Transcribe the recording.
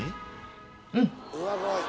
うん。